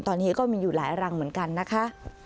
ตอนนี้ก็มีอยู่หลายรังเหมือนกันนะคะ